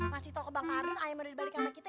masih tau ke bang kardun ayam udah dibalikin sama kita